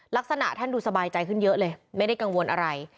ลักษณะท่านดูสบายใจขึ้นเยอะเลยไม่ได้กังวลอะไร